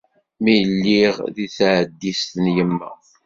Mi lliɣ di tɛeddist n yemma.